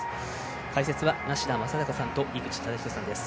解説は梨田昌孝さんと井口資仁さんです。